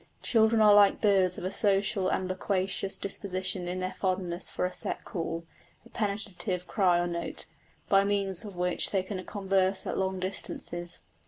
Children are like birds of a social and loquacious disposition in their fondness for a set call, a penetrative cry or note, by means of which they can converse at long distances.